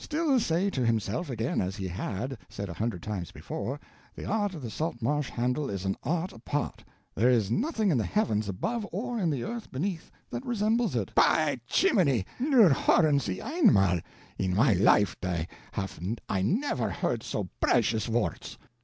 —" —"still say to himself again as he had, said a hundred times before, the art of the Saltmarsh Handel is an art apart, there is nothing in the heavens above or in the earth beneath that resembles it,—" "Py chiminy, nur hören Sie einmal! In my life day haf I never heard so brecious worts."